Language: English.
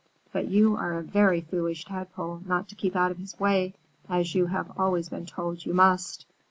But you are a very foolish Tadpole not to keep out of his way, as you have always been told you must."